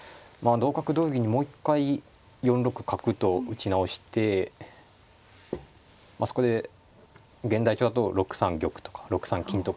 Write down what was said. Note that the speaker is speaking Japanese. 同角同銀にもう一回４六角と打ち直してそこで現代調だと６三玉とか６三金とか。